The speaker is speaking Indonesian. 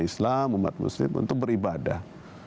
islam umat muslim untuk beribadah